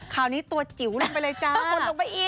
คราวนี้ตัวจิ๋วลงไปเลยจ้า